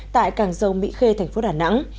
tại cảng dầu mỹ khê thành phố đà nẵng